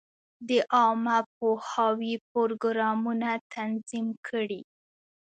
د عامه پوهاوي پروګرامونه تنظیم کړي.